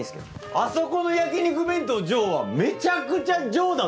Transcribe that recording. あそこの焼き肉弁当「上」はめちゃくちゃ上だぞ！